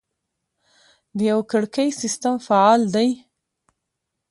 د یوه کړکۍ سیستم فعال دی؟